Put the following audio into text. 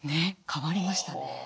変わりましたね。